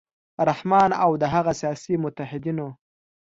رحمان او د هغه سیاسي متحدینو